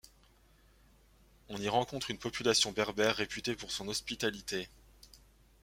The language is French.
On y rencontre une population berbère réputée pour son hospitalité.